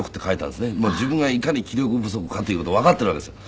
自分がいかに気力不足かという事わかってるわけですよ。